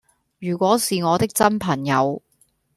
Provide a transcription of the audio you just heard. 如果是我的真朋友